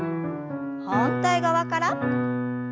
反対側から。